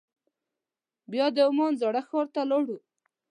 بیا د عمان زاړه ښار ته لاړو.